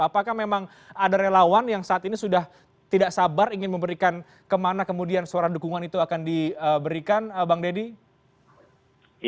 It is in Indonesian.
apakah memang ada relawan yang saat ini sudah tidak sabar ingin memberikan kemana kemudian suara dukungan itu akan diberikan bang deddy